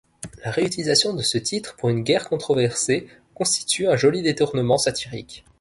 La réutilisation de ce titre pour une guerre controversée constitue un joli détournement satirique.